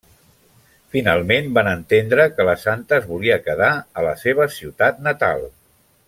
Finalment van entendre que la santa es volia quedar a la seva ciutat natal.